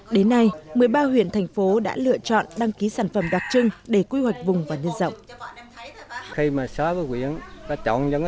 đến nay một mươi ba huyện thành phố đã lựa chọn đăng ký sản phẩm đặc trưng để quy hoạch vùng và nhân dọng